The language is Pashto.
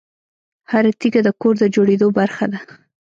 هره تیږه د کور د جوړېدو برخه ده.